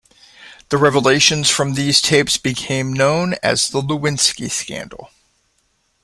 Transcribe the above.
The revelations from these tapes became known as the Lewinsky scandal.